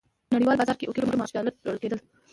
په نړیوال بازار کې یو کیلو مالوچ ډالر پلورل کېدل.